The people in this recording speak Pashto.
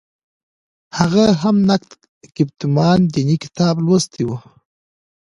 هغه هم نقد ګفتمان دیني کتاب لوستلی و.